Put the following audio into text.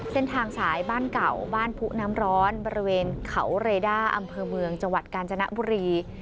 เส้นทางสายบ้านเก่าบ้านผู้น้ำร้อนบริเวณเขาเรด้าอำเภอเมืองจังหวัดกาญจนบุรี